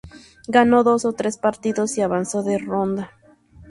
Ganó dos de tres partidos y avanzó de ronda.